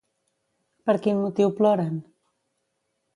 Per quin motiu ploren?